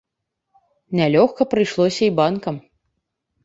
Нялёгка прыйшлося і банкам.